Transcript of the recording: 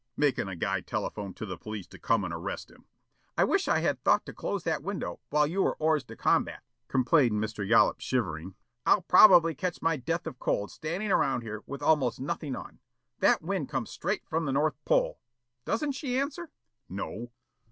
"Makin' a guy telephone to the police to come and arrest him." "I wish I had thought to close that window while you were hors de combat," complained Mr. Yollop shivering. "I'll probably catch my death of cold standing around here with almost nothing on. That wind comes straight from the North Pole. Doesn't she answer?" "No."